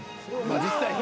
実際にね。